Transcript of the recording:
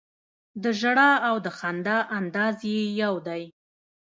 د ژړا او د خندا انداز یې یو دی.